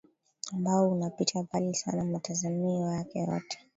ambao unapita mbali sana matazamio yako yote